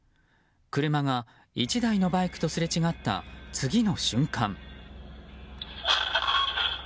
車が１台のバイクとすれ違った次の瞬間。